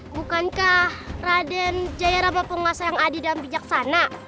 bukankah raden jaya ramah pun gak sayang adi dan bijaksana